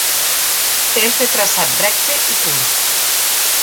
ÉS de traçat recte i curt.